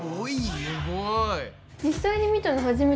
すごい！